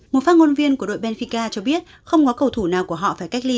một phát ngôn viên của đội benfika cho biết không có cầu thủ nào của họ phải cách ly